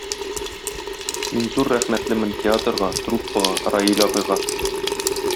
Мин зур рәхмәтлемен театрга, труппага, Раил абыйга.